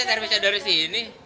pasti servisnya dari sini